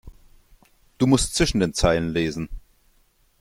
Du musst zwischen den Zeilen lesen.